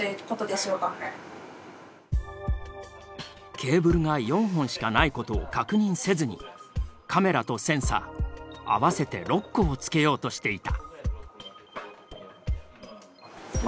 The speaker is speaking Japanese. ケーブルが４本しかないことを確認せずにカメラとセンサー合わせて６個をつけようとしていた。